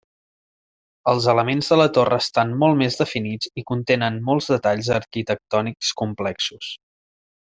Els elements de la torre estan molt més definits i contenen molts detalls arquitectònics complexos.